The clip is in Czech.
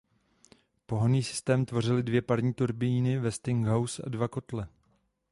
Pohonný systém tvořily dvě parní turbíny Westinghouse a dva kotle.